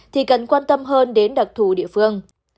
thì cần quan tâm hơn đến đặc thù địa phương